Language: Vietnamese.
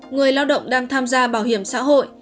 người lao động đang tham gia bảo hiểm xã hội